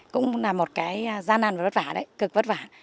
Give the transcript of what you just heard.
cũng là một cái gian nan và vất vả đấy cực vất vả